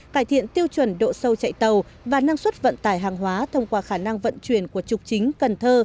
cải thiện tiêu chuẩn độ sâu chạy tàu và năng suất vận tải hàng hóa thông qua khả năng vận chuyển của trục chính cần thơ